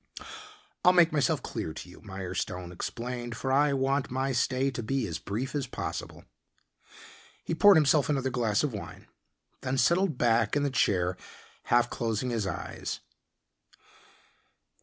"I'll make myself clear to you," Mirestone explained, "For I want my stay to be as brief as possible." He poured himself another glass of wine, then settled back in the chair, half closing his eyes.